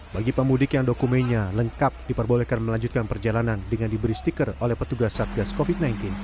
bagi pemudik yang dokumennya lengkap diperbolehkan melanjutkan perjalanan dengan diberi stiker oleh petugas satgas covid sembilan belas